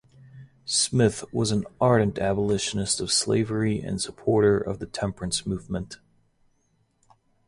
Smyth was an ardent abolitionist of slavery and supporter of the temperance movement.